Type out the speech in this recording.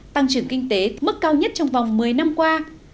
tăng trưởng kinh tế mức cao nhất trong vòng một mươi năm qua